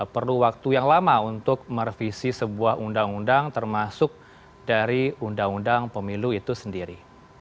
perlu waktu yang lama untuk merevisi sebuah undang undang termasuk dari undang undang pemilu itu sendiri